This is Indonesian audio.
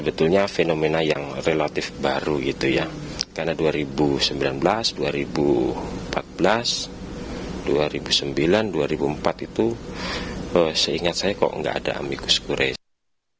ketua umum pdi perjuangan megawati soekarno putri mengajukan diri sebagai amikus korea atau sahabat pengadilan ke mahkamah konstitusi